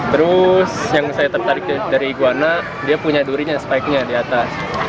terus yang saya tertarik dari iguana dia punya durinya sebaiknya di atas